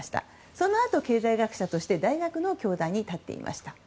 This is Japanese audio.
そのあと、経済学者として大学の教壇に立っていました。